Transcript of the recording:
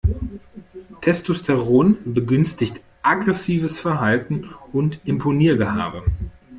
Testosteron begünstigt aggressives Verhalten und Imponiergehabe.